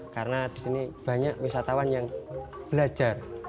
karena di sini banyak wisatawan yang belajar